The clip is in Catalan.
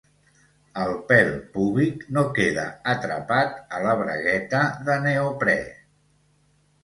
El pèl púbic no queda atrapat a la bragueta de neoprè.